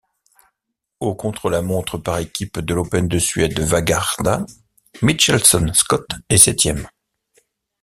Au contre-la-montre par équipes de l'Open de Suède Vårgårda, Mitchelson-Scott est septième.